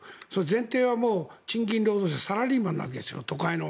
前提はもう賃金労働者サラリーマンなわけですよ都会の。